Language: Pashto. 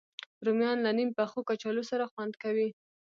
رومیان له نیم پخو کچالو سره خوند کوي